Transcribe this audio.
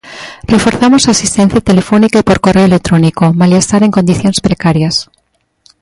Reforzamos a asistencia telefónica e por correo electrónico, malia estar en condicións precarias.